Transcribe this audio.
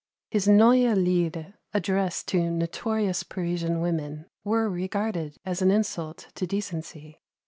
His Neue Lieder, addressed to notorious Parisian women, were regarded as an insult to decency.